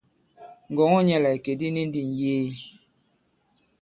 Ngɔ̀ŋɔ nyɛ la ìkè di ni ndi ŋ̀yee.